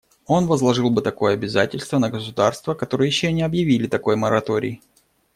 Он возложил бы такое обязательство на государства, которые еще не объявили такой мораторий.